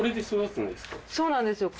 そうなんですよ。